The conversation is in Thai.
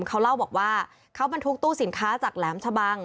เขาเล่าบอกว่าเขาบรรทุกตู้สินค้าจากแหลมชะบัง